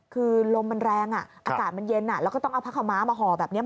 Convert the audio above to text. คือลมมันแรงอ่ะอากาศมันเย็นแล้วก็ต้องเอาผ้าขาวม้ามาห่อแบบนี้